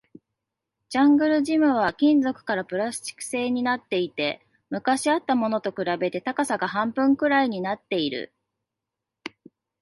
ジャングルジムは金属からプラスチック製になっていて、昔あったものと比べて高さが半分くらいになっている